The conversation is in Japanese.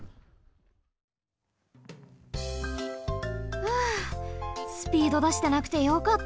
ふうスピードだしてなくてよかった。